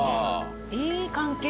いい関係性。